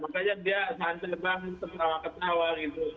makanya dia santai banget ketawa ketawa gitu